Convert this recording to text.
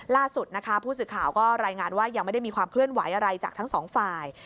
ล่าสุดนะคะผู้สื่อข่าวก็รายงานว่ายังไม่ได้มีความเคลื่อนไหวอะไรจากทั้งสองฝ่าย